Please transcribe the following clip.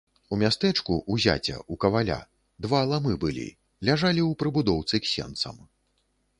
У мястэчку, у зяця, у каваля, два ламы былі, ляжалі ў прыбудоўцы к сенцам.